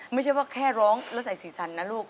ไม่ใช่ว่าแค่ร้องแล้วใส่สีสันนะลูก